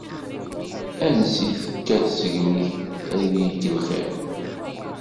Ansi tekka tsegnit, ad ikk lxiḍ.